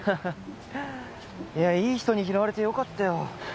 いやいい人に拾われてよかったよ。